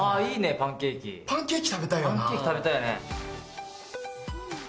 パンケーキ食べたいよね。